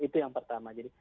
itu yang pertama